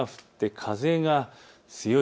風が強い。